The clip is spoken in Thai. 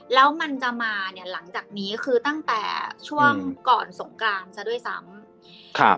แล้วมันจะมาเนี่ยหลังจากนี้คือตั้งแต่ช่วงก่อนสงกรานซะด้วยซ้ำครับ